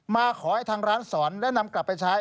มาขอให้ทางร้านสอนและนำกลับไปใช้